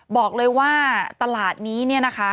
บอกเลยว่าตลาดนี้นะคะ